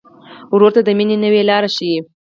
ورور ته د مینې نوې لاره ښيي.